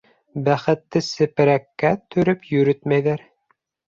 Бәхетте сепрәккә төрөп йөрөтмәйҙәр.